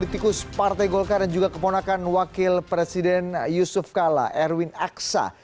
politikus partai golkar dan juga keponakan wakil presiden yusuf kala erwin aksa